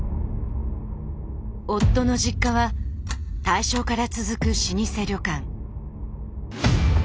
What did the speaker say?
夫の実家は大正から続く老舗旅館。